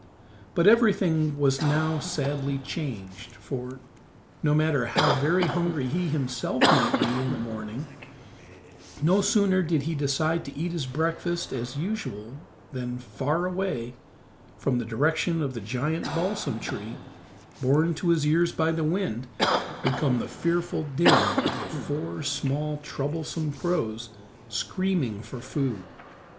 But everything was now sadly changed for, no matter how very hungry he himself might be in the morning, no sooner did he decide to eat his breakfast as usual than far away, from the direction of the giant balsam tree, borne to his ears by the wind, would come the fearful din of the four small, troublesome crows screaming for food.